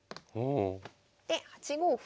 で８五歩。